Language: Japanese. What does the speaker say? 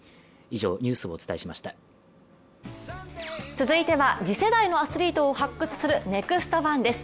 続いては次世代のアスリートを発掘する「ＮＥＸＴ☆１」です。